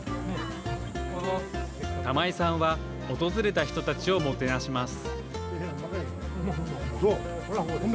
玉井さんは訪れた人たちをもてなします。